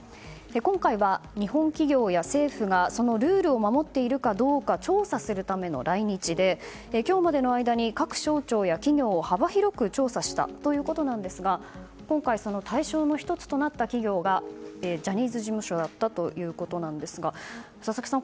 今回は、日本企業や政府がそのルールを守っているかどうか調査するための来日で今日までの間に各省庁や企業を幅広く調査したということなんですが今回、対象の一つとなった企業がジャニーズ事務所だったということなんですが佐々木さん